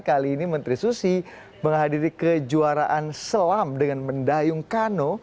kali ini menteri susi menghadiri kejuaraan selam dengan mendayung kano